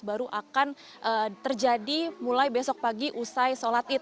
baru akan terjadi mulai besok pagi usai sholat id